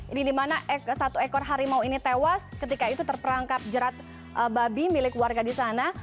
ini dimana satu ekor harimau ini tewas ketika itu terperangkap jerat babi milik warga di sana